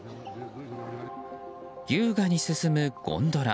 優雅に進むゴンドラ。